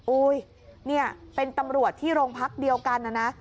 โอ๊ยเป็นตำรวจที่โรงพักเดียวกัน